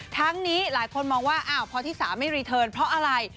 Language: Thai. ทั้งนี้หลายคนมองว่าอ้าวพอที่๓ไม่รีเทิร์นเพราะอะไร